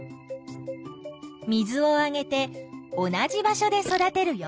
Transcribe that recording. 水をあげて同じ場所で育てるよ。